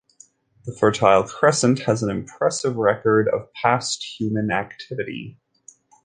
The Fertile Crescent has an impressive record of past human activity.